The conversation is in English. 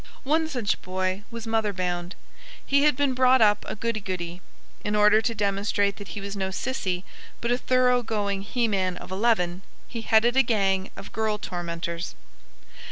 One such boy was mother bound. He had been brought up a goody goody. In order to demonstrate that he was no sissy but a thorough going he man of eleven, he headed a gang of girl tormentors.